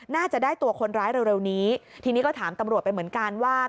น่าจะได้ตัวคนร้ายเร็วนี้ทีนี้ก็ถามตำรวจไปเหมือนกันว่า